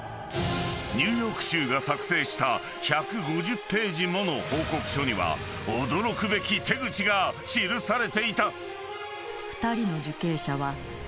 ［ニューヨーク州が作成した１５０ページもの報告書には驚くべき手口が記されていた］